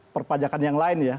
perpajakan yang lain ya